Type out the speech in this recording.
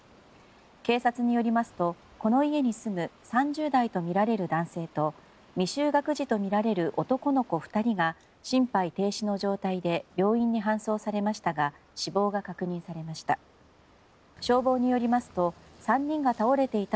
警察によりますと、この家に住む３０代とみられる男性と未就学児とみられる男の子２人が心肺停止の状態で病院に搬送されましたが死亡が確認されました。